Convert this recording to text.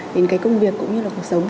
đến cái công việc cũng như là cuộc sống